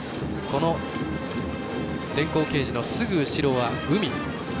この電光掲示のすぐ後ろは海。